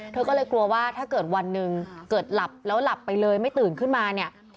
เธอก็เลยกลัวว่าถ้าเกิดวันหนึ่งเกิดหลับแล้วหลับไปเลยไม่ตื่นขึ้นมาเนี่ย